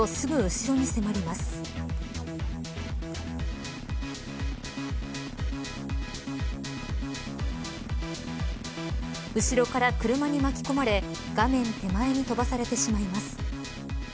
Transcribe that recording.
後ろから車に巻き込まれ画面手前に飛ばされてしまいます。